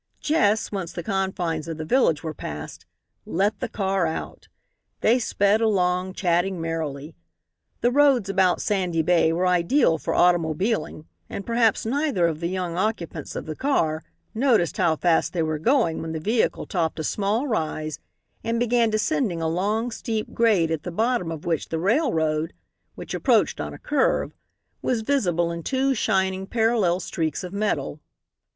Jess, once the confines of the village were past, "let the car out." They sped along, chatting merrily. The roads about Sandy Bay were ideal for automobiling, and perhaps neither of the young occupants of the car noticed how fast they were going when the vehicle topped a small rise and began descending a long steep grade at the bottom of which the railroad, which approached on a curve, was visible in two shining parallel streaks of metal.